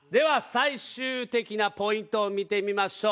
最終的なポイントを見てみましょう。